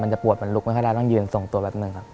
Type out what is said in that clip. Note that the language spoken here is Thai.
จะปวดมันลุกไม่ค่อยได้ต้องยืนส่งตัวแป๊บหนึ่งครับ